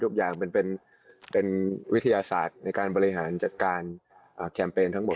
ทุกอย่างเป็นวิทยาศาสตร์ในการบริหารจัดการแคมเปญทั้งหมด